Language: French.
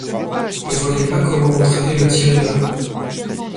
Je ne voyais pas comment entrer et le tirer de là.